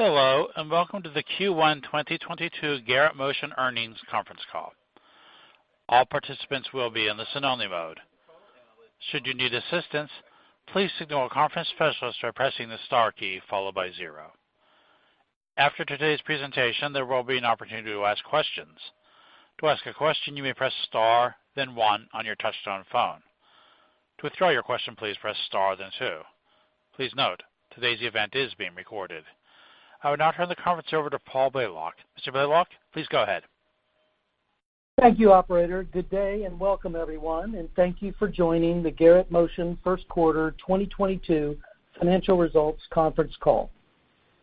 Hello, and welcome to the Q1 2022 Garrett Motion Earnings Conference Call. All participants will be in the listen-only mode. Should you need assistance, please signal a conference specialist by pressing the star key followed by zero. After today's presentation, there will be an opportunity to ask questions. To ask a question, you may press star, then one on your touchtone phone. To withdraw your question, please press star, then two. Please note, today's event is being recorded. I would now turn the conference over to Paul Blalock. Mr. Blalock, please go ahead. Thank you, operator. Good day and welcome everyone, and thank you for joining the Garrett Motion first quarter 2022 financial results conference call.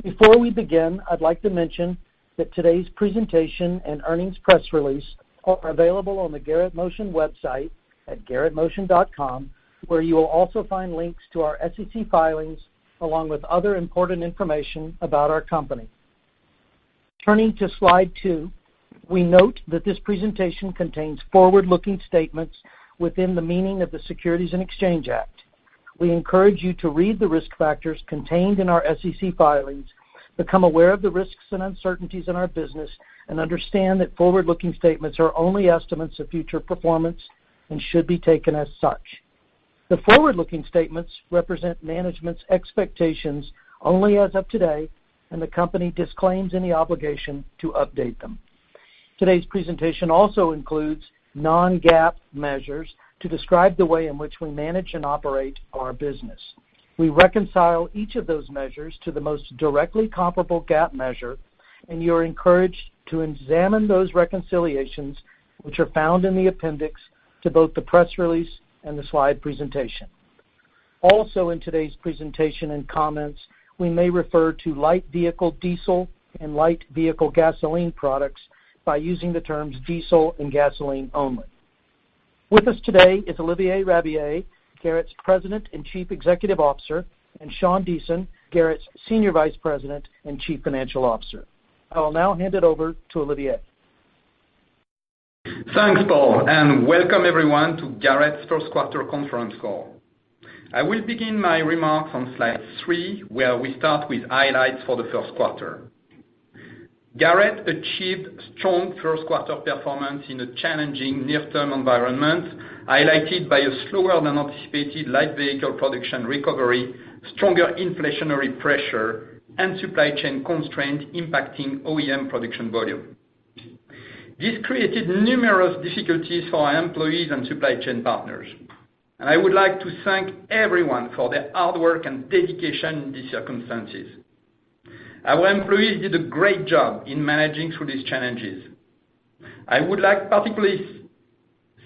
Before we begin, I'd like to mention that today's presentation and earnings press release are available on the Garrett Motion website at garrettmotion.com, where you will also find links to our SEC filings along with other important information about our company. Turning to slide two, we note that this presentation contains forward-looking statements within the meaning of the Securities Exchange Act. We encourage you to read the risk factors contained in our SEC filings, become aware of the risks and uncertainties in our business, and understand that forward-looking statements are only estimates of future performance and should be taken as such. The forward-looking statements represent management's expectations only as of today, and the company disclaims any obligation to update them. Today's presentation also includes non-GAAP measures to describe the way in which we manage and operate our business. We reconcile each of those measures to the most directly comparable GAAP measure, and you are encouraged to examine those reconciliations which are found in the appendix to both the press release and the slide presentation. Also in today's presentation and comments, we may refer to light vehicle diesel and light vehicle gasoline products by using the terms diesel and gasoline only. With us today is Olivier Rabiller, Garrett's President and Chief Executive Officer, and Sean Deason, Garrett's Senior Vice President and Chief Financial Officer. I will now hand it over to Olivier. Thanks, Paul, and welcome everyone to Garrett's first quarter conference call. I will begin my remarks on slide three, where we start with highlights for the first quarter. Garrett achieved strong first quarter performance in a challenging near-term environment, highlighted by a slower than anticipated light vehicle production recovery, stronger inflationary pressure and supply chain constraint impacting OEM production volume. This created numerous difficulties for our employees and supply chain partners. I would like to thank everyone for their hard work and dedication in these circumstances. Our employees did a great job in managing through these challenges. I would like to particularly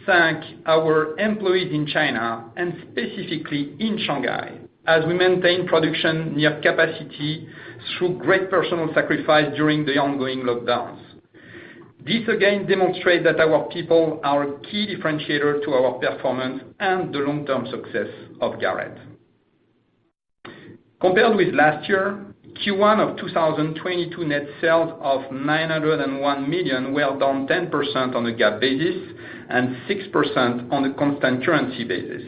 thank our employees in China, and specifically in Shanghai, as we maintain production near capacity through great personal sacrifice during the ongoing lockdowns. This again demonstrates that our people are a key differentiator to our performance and the long-term success of Garrett. Compared with last year, Q1 2022 net sales of $901 million were down 10% on a GAAP basis and 6% on a constant currency basis.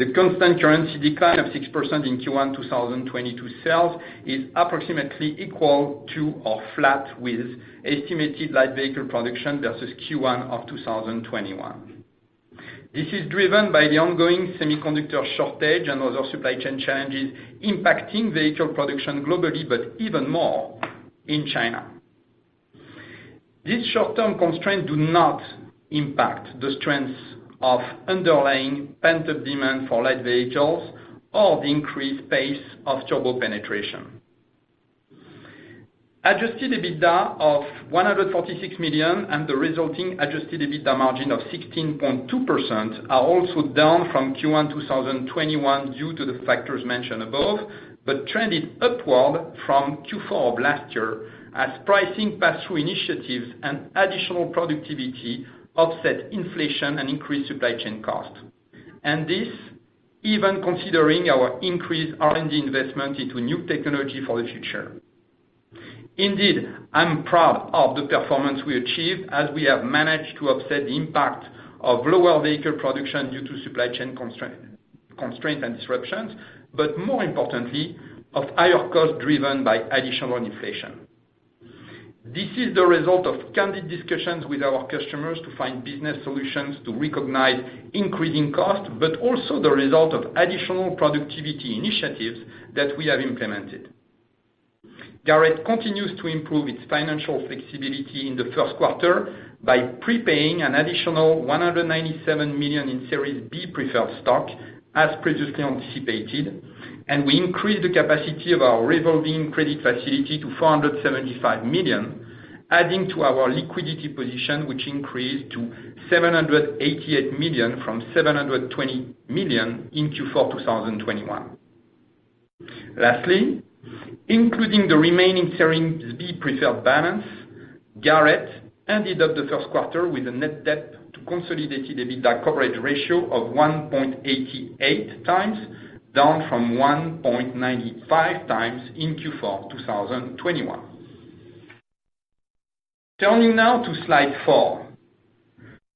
The constant currency decline of 6% in Q1 2022 sales is approximately equal to or flat with estimated light vehicle production versus Q1 2021. This is driven by the ongoing semiconductor shortage and other supply chain challenges impacting vehicle production globally, but even more in China. These short-term constraints do not impact the strength of underlying pent-up demand for light vehicles or the increased pace of turbo penetration. Adjusted EBITDA of $146 million and the resulting adjusted EBITDA margin of 16.2% are also down from Q1 2021 due to the factors mentioned above, but trended upward from Q4 of last year as pricing pass-through initiatives and additional productivity offset inflation and increased supply chain costs. This even considering our increased R&D investment into new technology for the future. Indeed, I'm proud of the performance we achieved as we have managed to offset the impact of lower vehicle production due to supply chain constraint and disruptions, but more importantly of higher costs driven by additional inflation. This is the result of candid discussions with our customers to find business solutions to recognize increasing costs, but also the result of additional productivity initiatives that we have implemented. Garrett continues to improve its financial flexibility in the first quarter by prepaying an additional $197 million in Series B preferred stock as previously anticipated, and we increased the capacity of our revolving credit facility to $475 million, adding to our liquidity position, which increased to $788 million from $720 million in Q4 2021. Lastly, including the remaining Series B preferred balance, Garrett ended the first quarter with a net debt to consolidated EBITDA coverage ratio of 1.88 times, down from 1.95 times in Q4 2021. Turning now to slide four.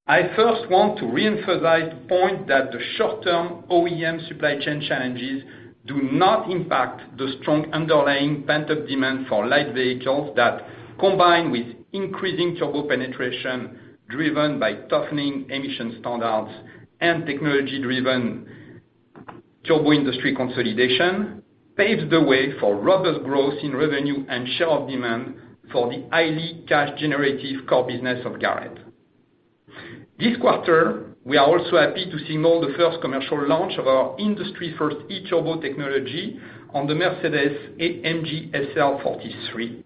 I first want to reemphasize the point that the short-term OEM supply chain challenges do not impact the strong underlying pent-up demand for light vehicles that combine with increasing turbo penetration, driven by toughening emission standards and technology-driven turbo industry consolidation, paves the way for robust growth in revenue and share demand for the highly cash generative core business of Garrett. This quarter, we are also happy to signal the first commercial launch of our industry-first E-Turbo technology on the Mercedes-AMG SL 43.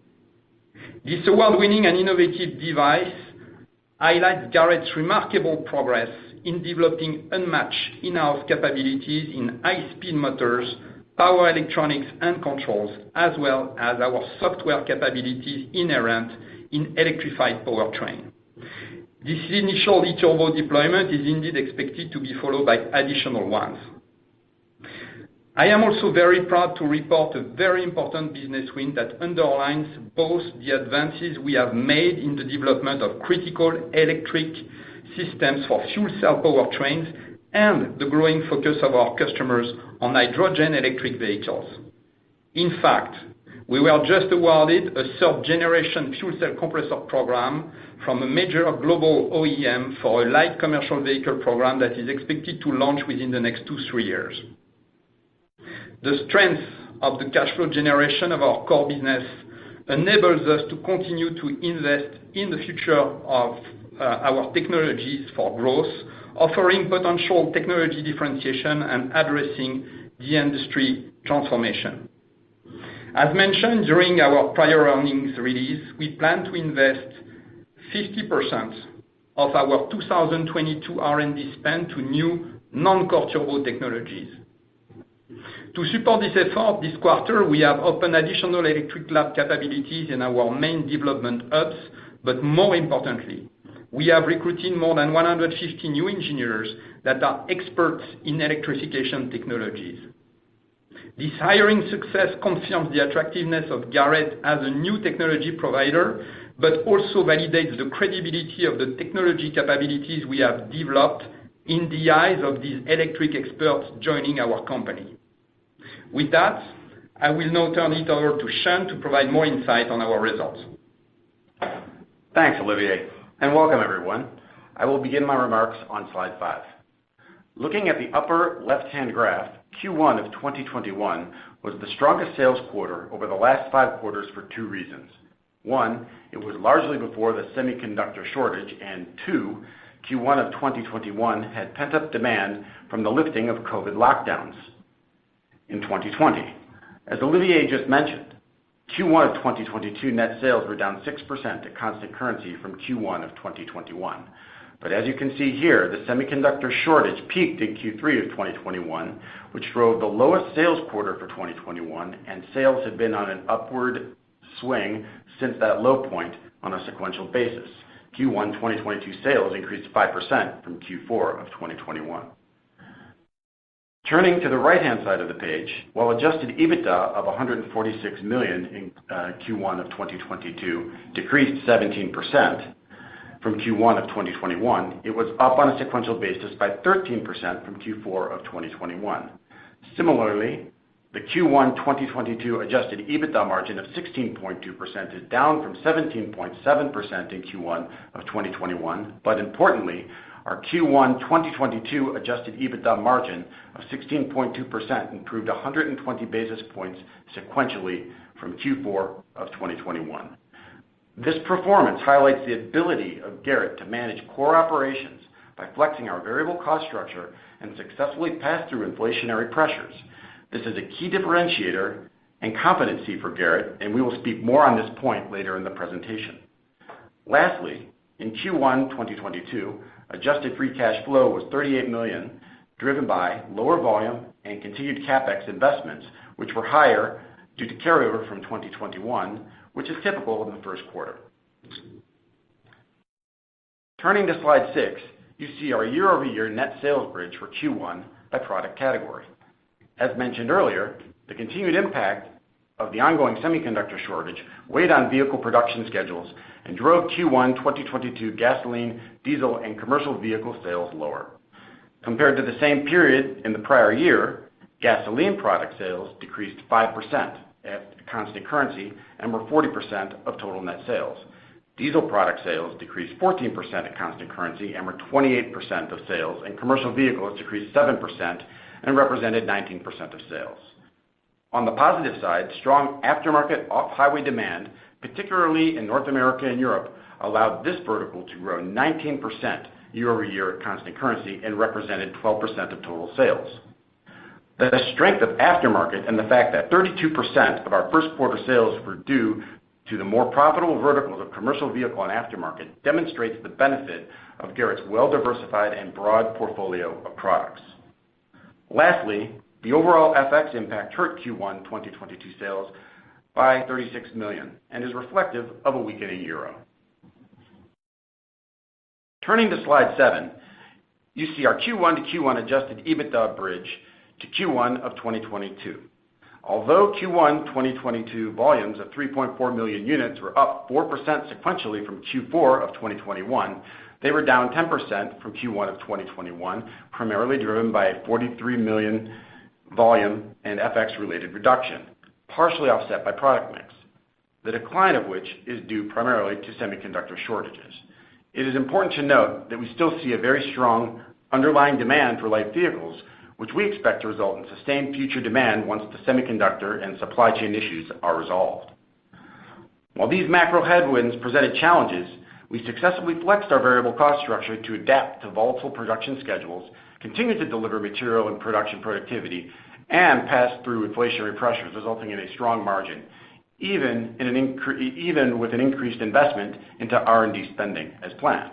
This award-winning and innovative device highlights Garrett's remarkable progress in developing unmatched in-house capabilities in high-speed motors, power electronics, and controls, as well as our software capabilities inherent in electrified powertrain. This initial E-Turbo deployment is indeed expected to be followed by additional ones. I am also very proud to report a very important business win that underlines both the advances we have made in the development of critical electric systems for fuel cell powertrains and the growing focus of our customers on hydrogen electric vehicles. In fact, we were just awarded a third-generation fuel cell compressor program from a major global OEM for a light commercial vehicle program that is expected to launch within the next 2-3 years. The strength of the cash flow generation of our core business enables us to continue to invest in the future of our technologies for growth, offering potential technology differentiation and addressing the industry transformation. As mentioned during our prior earnings release, we plan to invest 50% of our 2022 R&D spend to new non-core turbo technologies. To support this effort this quarter, we have opened additional electric lab capabilities in our main development hubs, but more importantly, we are recruiting more than 150 new engineers that are experts in electrification technologies. This hiring success confirms the attractiveness of Garrett as a new technology provider, but also validates the credibility of the technology capabilities we have developed in the eyes of these electric experts joining our company. With that, I will now turn it over to Sean to provide more insight on our results. Thanks, Olivier, and welcome everyone. I will begin my remarks on slide five. Looking at the upper left-hand graph, Q1 of 2021 was the strongest sales quarter over the last five quarters for two reasons. One, it was largely before the semiconductor shortage, and Two, Q1 of 2021 had pent-up demand from the lifting of COVID lockdowns in 2020. As Olivier just mentioned, Q1 of 2022 net sales were down 6% at constant currency from Q1 of 2021. As you can see here, the semiconductor shortage peaked in Q3 of 2021, which drove the lowest sales quarter for 2021, and sales have been on an upward swing since that low point on a sequential basis. Q1 2022 sales increased 5% from Q4 of 2021. Turning to the right-hand side of the page, while adjusted EBITDA of $146 million in Q1 of 2022 decreased 17% from Q1 of 2021, it was up on a sequential basis by 13% from Q4 of 2021. Similarly, the Q1 2022 adjusted EBITDA margin of 16.2% is down from 17.7% in Q1 of 2021. Importantly, our Q1 2022 adjusted EBITDA margin of 16.2% improved 120 basis points sequentially from Q4 of 2021. This performance highlights the ability of Garrett to manage core operations by flexing our variable cost structure and successfully pass through inflationary pressures. This is a key differentiator and competency for Garrett, and we will speak more on this point later in the presentation. Lastly, in Q1 2022, adjusted free cash flow was $38 million, driven by lower volume and continued CapEx investments, which were higher due to carryover from 2021, which is typical in the first quarter. Turning to slide 6, you see our year-over-year net sales bridge for Q1 by product category. As mentioned earlier, the continued impact of the ongoing semiconductor shortage weighed on vehicle production schedules and drove Q1 2022 gasoline, diesel, and commercial vehicle sales lower. Compared to the same period in the prior year, gasoline product sales decreased 5% at constant currency and were 40% of total net sales. Diesel product sales decreased 14% at constant currency and were 28% of sales, and commercial vehicles decreased 7% and represented 19% of sales. On the positive side, strong aftermarket off-highway demand, particularly in North America and Europe, allowed this vertical to grow 19% year-over-year at constant currency and represented 12% of total sales. The strength of aftermarket and the fact that 32% of our first quarter sales were due to the more profitable verticals of commercial vehicle and aftermarket demonstrates the benefit of Garrett's well-diversified and broad portfolio of products. Lastly, the overall FX impact hurt Q1 2022 sales by $36 million and is reflective of a weakening euro. Turning to slide seven, you see our Q1 to Q1 adjusted EBITDA bridge to Q1 2022. Although Q1 2022 volumes of 3.4 million units were up 4% sequentially from Q4 of 2021, they were down 10% from Q1 of 2021, primarily driven by a 43 million volume and FX related reduction, partially offset by product mix, the decline of which is due primarily to semiconductor shortages. It is important to note that we still see a very strong underlying demand for light vehicles, which we expect to result in sustained future demand once the semiconductor and supply chain issues are resolved. While these macro headwinds presented challenges, we successfully flexed our variable cost structure to adapt to volatile production schedules, continued to deliver material and production productivity, and passed through inflationary pressures, resulting in a strong margin, even with an increased investment into R&D spending as planned.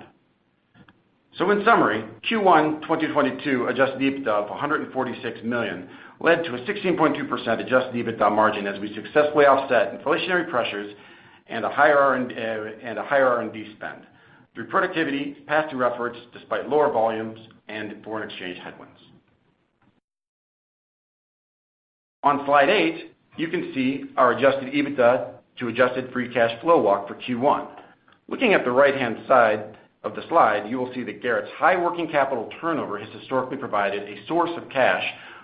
In summary, Q1 2022 adjusted EBITDA of $146 million led to a 16.2% adjusted EBITDA margin as we successfully offset inflationary pressures and a higher R&D spend through productivity pass-through efforts despite lower volumes and foreign exchange headwinds. On slide eight, you can see our adjusted EBITDA to adjusted free cash flow walk for Q1. Looking at the right-hand side of the slide, you will see that Garrett's high working capital turnover has historically provided a source of cash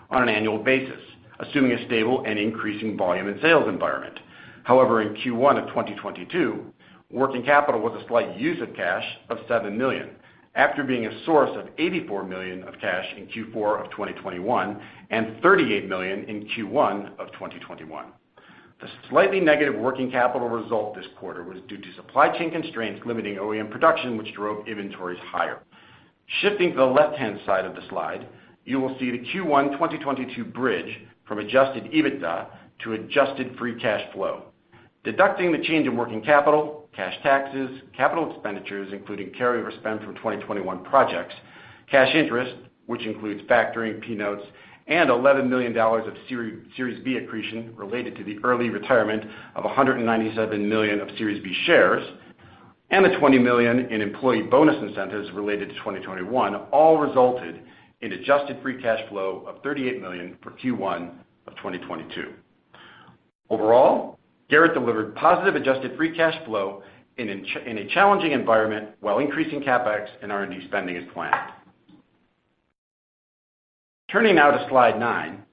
on an annual basis, assuming a stable and increasing volume in sales environment. However, in Q1 of 2022, working capital was a slight use of cash of $7 million after being a source of $84 million of cash in Q4 of 2021 and $38 million in Q1 of 2021. The slightly negative working capital result this quarter was due to supply chain constraints limiting OEM production, which drove inventories higher. Shifting to the left-hand side of the slide, you will see the Q1 2022 bridge from adjusted EBITDA to adjusted free cash flow. Deducting the change in working capital, cash taxes, capital expenditures, including carryover spend from 2021 projects, cash interest, which includes factoring PIK notes and $11 million of Series B accretion related to the early retirement of $197 million of Series B shares, and the $20 million in employee bonus incentives related to 2021 all resulted in adjusted free cash flow of $38 million for Q1 of 2022. Overall, Garrett delivered positive adjusted free cash flow in a challenging environment while increasing CapEx and R&D spending as planned. Turning now to slide nine,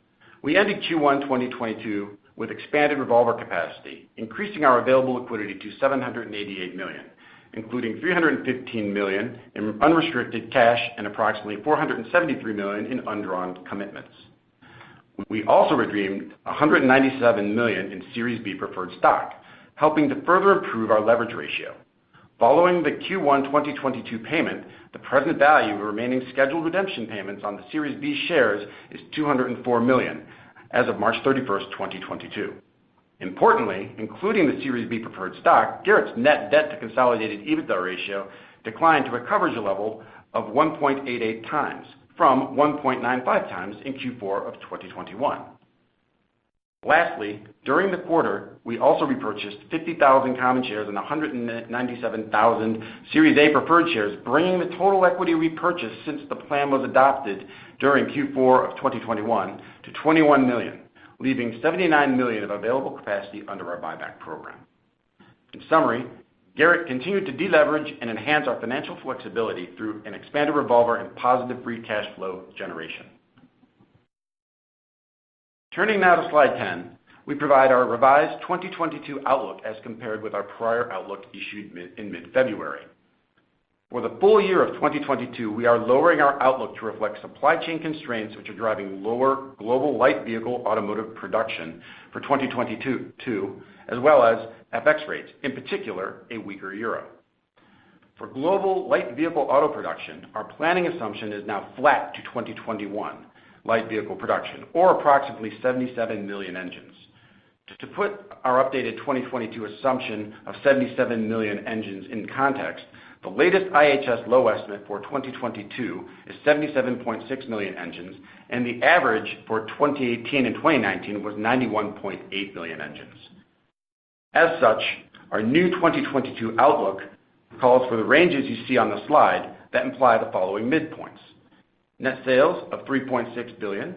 we ended Q1 2022 with expanded revolver capacity, increasing our available liquidity to $788 million, including $315 million in unrestricted cash and approximately $473 million in undrawn commitments. We also redeemed $197 million in Series B preferred stock, helping to further improve our leverage ratio. Following the Q1 2022 payment, the present value of remaining scheduled redemption payments on the Series B shares is $204 million as of March 31, 2022. Importantly, including the Series B preferred stock, Garrett's net debt to consolidated EBITDA ratio declined to a coverage level of 1.88 times from 1.95 times in Q4 of 2021. Lastly, during the quarter, we also repurchased 50,000 common shares and 197,000 Series A preferred shares, bringing the total equity repurchase since the plan was adopted during Q4 of 2021 to 21 million, leaving 79 million of available capacity under our buyback program. In summary, Garrett continued to deleverage and enhance our financial flexibility through an expanded revolver and positive free cash flow generation. Turning now to slide 10, we provide our revised 2022 outlook as compared with our prior outlook issued in mid-February. For the full year of 2022, we are lowering our outlook to reflect supply chain constraints, which are driving lower global light vehicle automotive production for 2022, as well as FX rates, in particular, a weaker euro. For global light vehicle auto production, our planning assumption is now flat to 2021 light vehicle production or approximately 77 million engines. To put our updated 2022 assumption of 77 million engines in context, the latest IHS low estimate for 2022 is 77.6 million engines, and the average for 2018 and 2019 was 91.8 million engines. As such, our new 2022 outlook calls for the ranges you see on the slide that imply the following midpoints, net sales of $3.6 billion,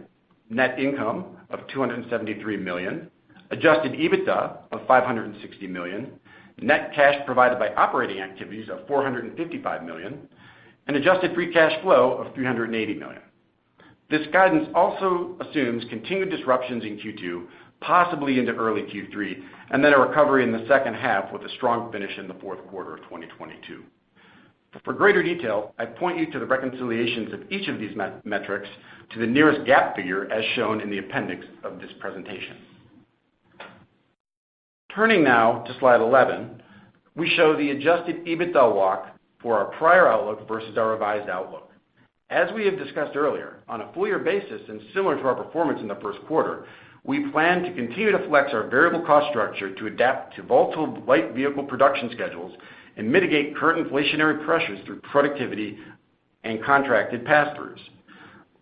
net income of $273 million, adjusted EBITDA of $560 million, net cash provided by operating activities of $455 million, and adjusted free cash flow of $380 million. This guidance also assumes continued disruptions in Q2, possibly into early Q3, and then a recovery in the second half with a strong finish in the fourth quarter of 2022. For greater detail, I point you to the reconciliations of each of these metrics to the nearest GAAP figure as shown in the appendix of this presentation. Turning now to slide 11, we show the adjusted EBITDA walk for our prior outlook versus our revised outlook. As we have discussed earlier, on a full year basis and similar to our performance in the first quarter, we plan to continue to flex our variable cost structure to adapt to volatile light vehicle production schedules and mitigate current inflationary pressures through productivity and contracted pass-throughs.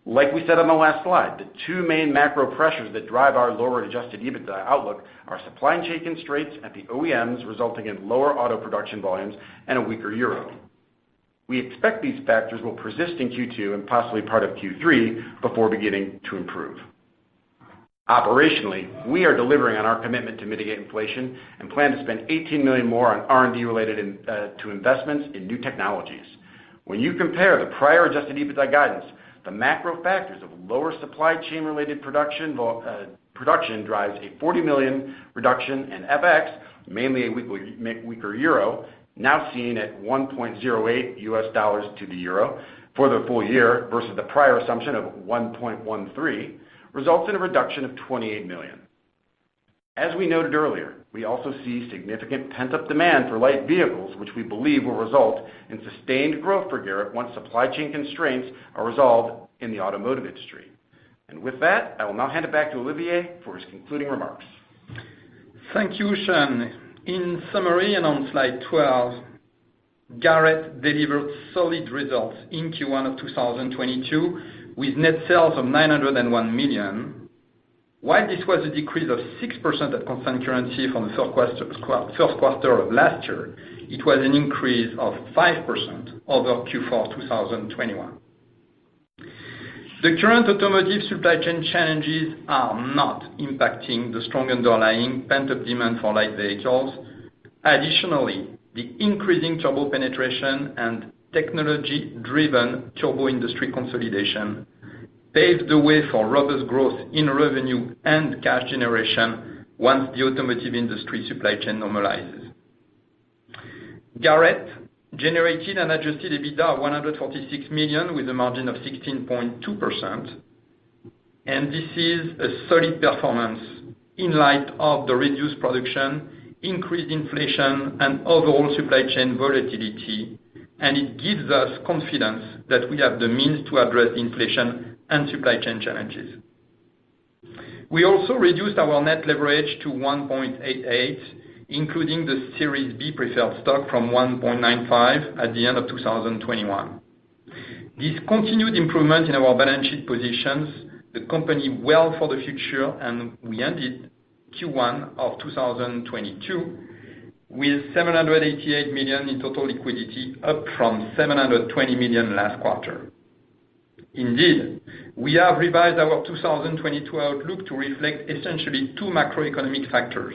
Like we said on the last slide, the two main macro pressures that drive our lower adjusted EBITDA outlook are supply chain constraints at the OEMs, resulting in lower auto production volumes and a weaker euro. We expect these factors will persist in Q2 and possibly part of Q3 before beginning to improve. Operationally, we are delivering on our commitment to mitigate inflation and plan to spend $18 million more on R&D related to investments in new technologies. When you compare the prior adjusted EBITDA guidance, the macro factors of lower supply chain-related production drives a $40 million reduction in FX, mainly a weaker euro now seen at $1.08 to the euro for the full year versus the prior assumption of 1.13, results in a reduction of $28 million. As we noted earlier, we also see significant pent-up demand for light vehicles, which we believe will result in sustained growth for Garrett once supply chain constraints are resolved in the automotive industry. With that, I will now hand it back to Olivier for his concluding remarks. Thank you, Sean. In summary, on slide 12, Garrett delivered solid results in Q1 of 2022, with net sales of $901 million. While this was a decrease of 6% at constant currency from the first quarter of last year, it was an increase of 5% over Q4 2021. The current automotive supply chain challenges are not impacting the strong underlying pent-up demand for light vehicles. Additionally, the increasing turbo penetration and technology-driven turbo industry consolidation paves the way for robust growth in revenue and cash generation once the automotive industry supply chain normalizes. Garrett generated an adjusted EBITDA of $146 million with a margin of 16.2%, and this is a solid performance in light of the reduced production, increased inflation, and overall supply chain volatility. It gives us confidence that we have the means to address inflation and supply chain challenges. We also reduced our net leverage to 1.88, including the Series B preferred stock from 1.95 at the end of 2021. This continued improvement in our balance sheet positions the company well for the future, and we ended Q1 of 2022 with $788 million in total liquidity, up from $720 million last quarter. Indeed, we have revised our 2022 outlook to reflect essentially two macroeconomic factors,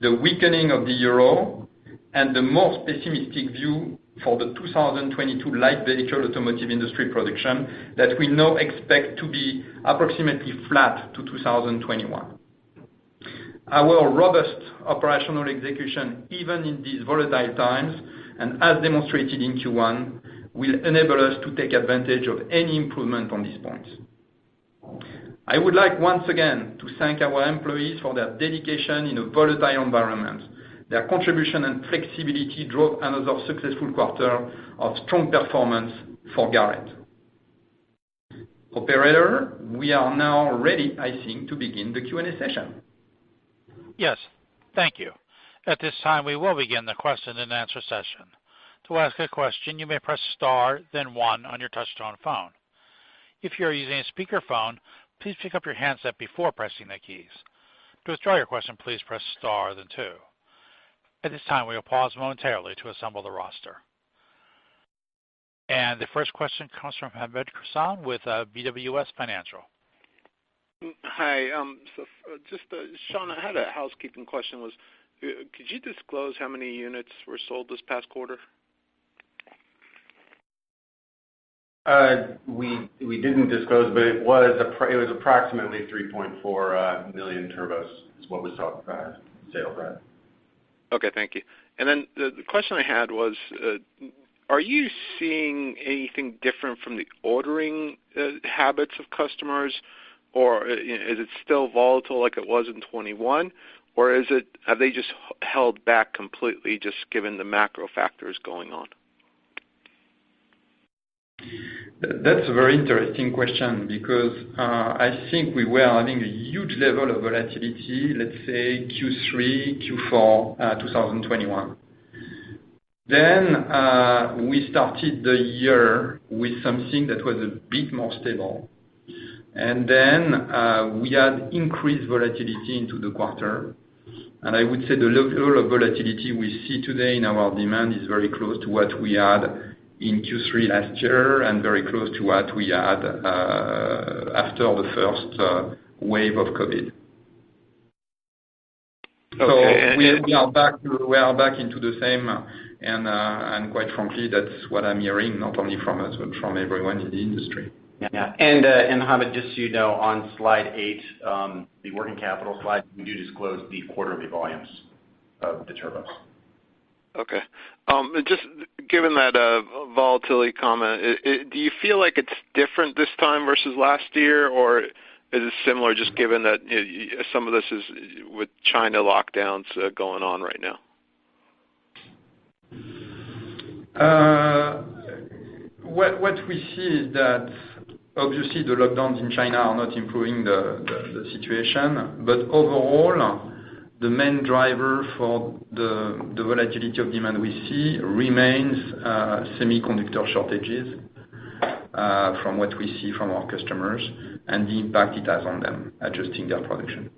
the weakening of the euro and the more pessimistic view for the 2022 light vehicle automotive industry production that we now expect to be approximately flat to 2021. Our robust operational execution, even in these volatile times, and as demonstrated in Q1, will enable us to take advantage of any improvement on these points. I would like, once again, to thank our employees for their dedication in a volatile environment. Their contribution and flexibility drove another successful quarter of strong performance for Garrett. Operator, we are now ready, I think, to begin the Q&A session. Yes. Thank you. At this time, we will begin the question-and-answer session. To ask a question, you may press star then one on your touchtone phone. If you are using a speakerphone, please pick up your handset before pressing the keys. To withdraw your question, please press star then two. At this time, we will pause momentarily to assemble the roster. The first question comes from Hamed Khorsand with BWS Financial. Hi. Sean, I had a housekeeping question, could you disclose how many units were sold this past quarter? We didn't disclose, but it was approximately 3.4 million turbos is what was sold, sale price. Okay, thank you. The question I had was, are you seeing anything different from the ordering habits of customers, or is it still volatile like it was in 2021? Have they just held back completely just given the macro factors going on? That's a very interesting question because I think we were having a huge level of volatility, let's say Q3, Q4, 2021. We started the year with something that was a bit more stable. We had increased volatility into the quarter. I would say the level of volatility we see today in our demand is very close to what we had in Q3 last year and very close to what we had after the first wave of COVID. Okay. We are back into the same. Quite frankly, that's what I'm hearing, not only from us, but from everyone in the industry. Hamed, just so you know, on slide eight, the working capital slide, we do disclose the quarterly volumes of the turbos. Okay. Just given that volatility comment, do you feel like it's different this time versus last year, or is it similar just given that, you know, some of this is with China lockdowns going on right now? What we see is that, obviously, the lockdowns in China are not improving the situation. Overall, the main driver for the volatility of demand we see remains semiconductor shortages from what we see from our customers and the impact it has on them adjusting their production.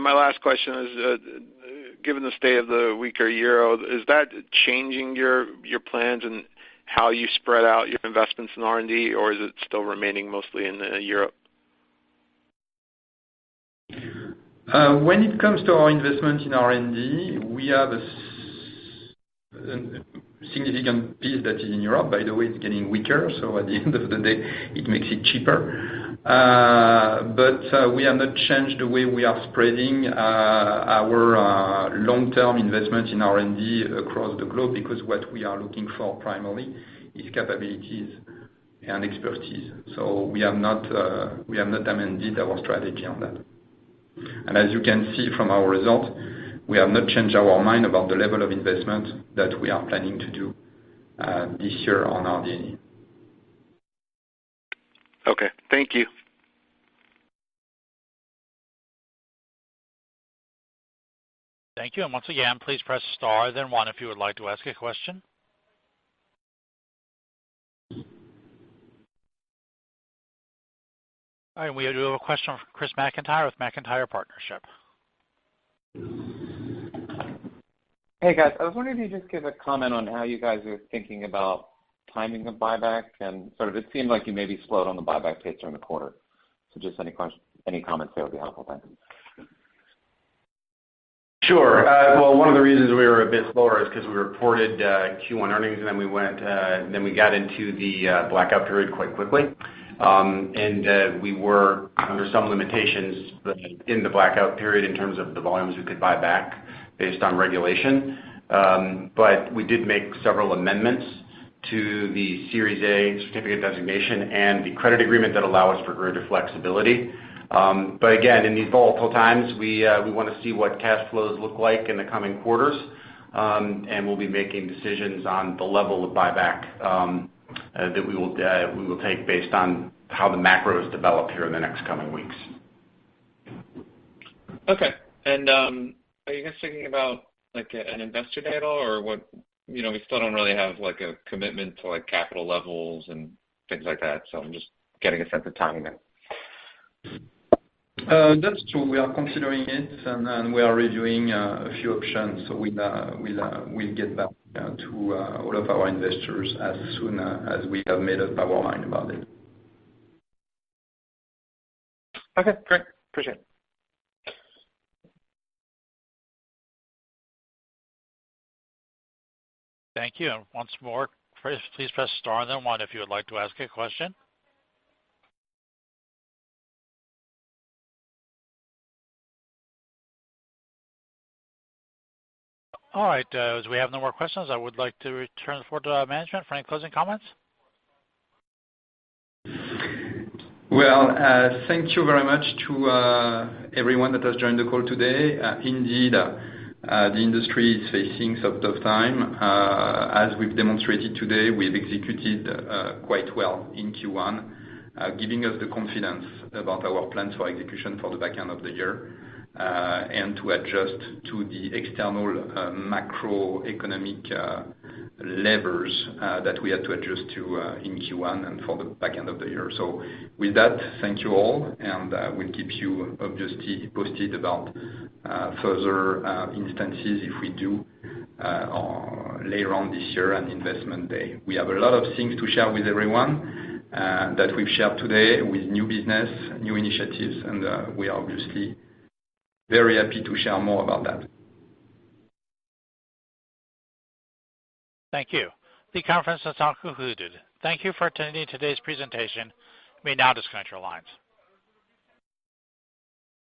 My last question is, given the state of the weaker euro, is that changing your plans and how you spread out your investments in R&D, or is it still remaining mostly in Europe? When it comes to our investment in R&D, we have a significant piece that is in Europe. By the way, it's getting weaker, so at the end of the day it makes it cheaper. We have not changed the way we are spreading our long-term investment in R&D across the globe because what we are looking for primarily is capabilities and expertise. We have not amended our strategy on that. As you can see from our results, we have not changed our mind about the level of investment that we are planning to do this year on R&D. Okay. Thank you. Thank you. Once again, please press star then one if you would like to ask a question. All right, we have a question from Chris McIntyre with McIntyre Partnerships. Hey, guys. I was wondering if you could just give a comment on how you guys are thinking about timing of buyback and sort of it seemed like you maybe slowed on the buyback pace during the quarter. Just any comments there would be helpful. Thank you. Sure. Well, one of the reasons we were a bit slower is 'cause we reported Q1 earnings, and then we got into the blackout period quite quickly. We were under some limitations in the blackout period in terms of the volumes we could buy back based on regulation. We did make several amendments to the Series A certificate designation and the credit agreement that allow us for greater flexibility. Again, in these volatile times, we wanna see what cash flows look like in the coming quarters. We'll be making decisions on the level of buyback that we will take based on how the macros develop here in the next coming weeks. Okay. Are you guys thinking about like a, an investor day at all, or what, you know, we still don't really have like a commitment to like capital levels and things like that, so I'm just getting a sense of timing then. That's true. We are considering it, and we are reviewing a few options. We'll get back to all of our investors as soon as we have made up our mind about it. Okay, great. Appreciate it. Thank you. Once more, please press star then one if you would like to ask a question. All right, as we have no more questions, I would like to return the floor to management for any closing comments. Well, thank you very much to everyone that has joined the call today. Indeed, the industry is facing some tough time. As we've demonstrated today, we've executed quite well in Q1, giving us the confidence about our plans for execution for the back end of the year, and to adjust to the external macroeconomic levers that we had to adjust to in Q1 and for the back end of the year. With that, thank you all, and we'll keep you obviously posted about further instances if we do later on this year on investment day. We have a lot of things to share with everyone that we've shared today with new business, new initiatives, and we are obviously very happy to share more about that. Thank you. The conference is now concluded. Thank you for attending today's presentation. You may now disconnect your lines.